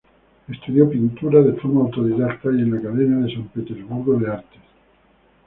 Estudió pintura de forma autodidacta y en la Academia de San Petersburgo de Artes.